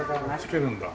つけるんだ。